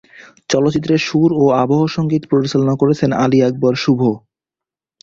চলচ্চিত্রের সুর ও আবহ সঙ্গীত পরিচালনা করেছেন আলী আকরাম শুভ।